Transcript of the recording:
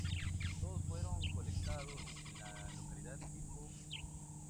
Todos fueron colectados en la localidad tipo.